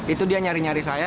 itu dia nyari nyari saya